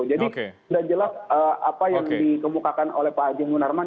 jadi sudah jelas apa yang dikemukakan oleh pak haji munarman